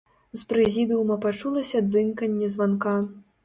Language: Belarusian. З прэзідыума пачулася дзынканне званка.